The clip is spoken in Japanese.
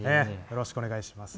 よろしくお願いします。